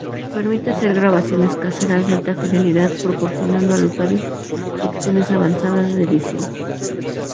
Permite hacer grabaciones caseras de alta fidelidad, proporcionando al usuario opciones avanzadas de edición.